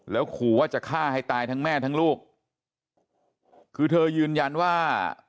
แล้วขู่ว่าจะฆ่าให้ตายทั้งแม่ทั้งลูกคือเธอยืนยันว่า